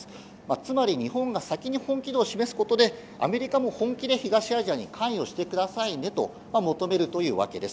つまり、日本が先に本気度を示すことでアメリカも本気で東アジアに関与してくださいねと求めるというわけです。